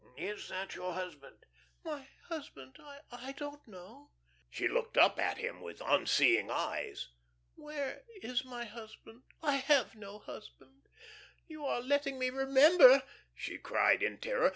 "Is that your husband?" "My husband I don't know." She looked up at him with unseeing eyes. "Where is my husband? I have no husband. You are letting me remember," she cried, in terror.